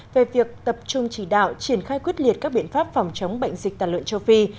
về việc tập trung chỉ đạo triển khai quyết liệt các biện pháp phòng chống bệnh dịch tàn lợn châu phi